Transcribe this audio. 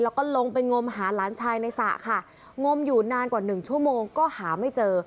แล้วก็ลงไปงมหาหลานชายในสระค่ะงมอยู่นานกว่าหนึ่งชั่วโมงก็หาไม่เจอ